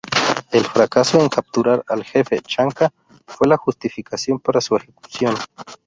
El fracaso en capturar al jefe chanca fue la justificación para su ejecución.